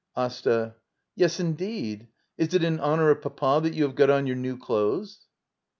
AsTA. Yes, indeed. Is it in honor of Papa that you have got on your new clothes?